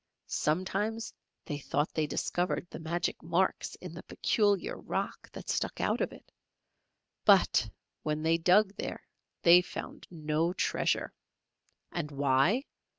Sometimes they thought they discovered the magic marks in the peculiar rock that stuck out of it, but when they dug there they found no treasure. And why?